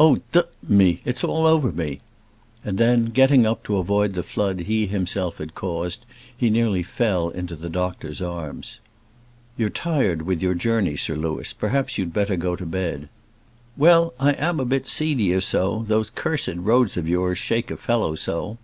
Oh, d me, it's all over me." And then, getting up, to avoid the flood he himself had caused, he nearly fell into the doctor's arms. "You're tired with your journey, Sir Louis; perhaps you'd better go to bed." "Well, I am a bit seedy or so. Those cursed roads of yours shake a fellow so."